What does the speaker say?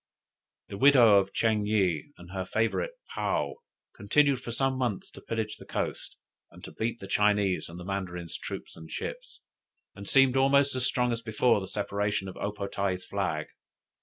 The widow of Ching yih, and her favorite Paou, continued for some months to pillage the coast, and to beat the Chinese and the Mandarins' troops and ships, and seemed almost as strong as before the separation of O po tae's flag.